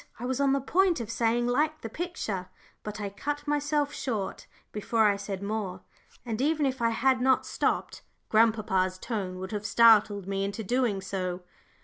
I was on the point of saying "like the picture;" but I cut myself short before I said more, and even had I not stopped, grandpapa's tone would have startled me into doing so.